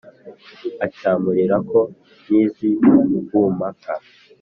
acyamurira ko n’iz’ i bumpaka